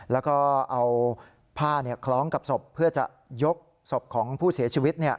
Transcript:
แล้วก็เอาผ้าคล้องกับศพเพื่อจะยกศพของผู้เสียชีวิต